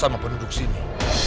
sama penduduk sini